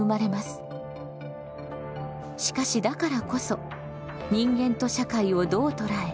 しかしだからこそ人間と社会をどう捉え